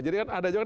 jadi kan ada juga